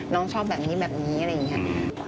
น้องชอบแบบนี้แบบนี้อะไรอย่างนี้